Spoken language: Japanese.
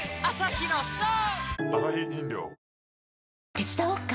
手伝おっか？